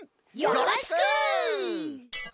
よろしく！